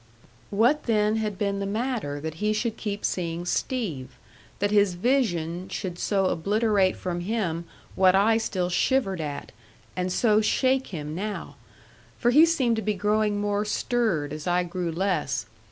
What then had been the matter that he should keep seeing Steve that his vision should so obliterate from him what I still shivered at, and so shake him now? For he seemed to be growing more stirred as I grew less.